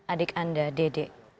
adik anda dedek